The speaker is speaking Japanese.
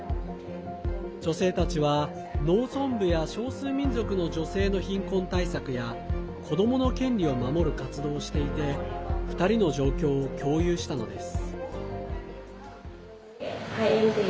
女性たちは、農村部や少数民族の女性の貧困対策や子どもの権利を守る活動をしていて２人の状況を共有したのです。